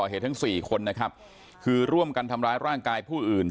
เหตุทั้งสี่คนนะครับคือร่วมกันทำร้ายร่างกายผู้อื่น